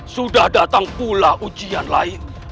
sudah datang pula ujian lain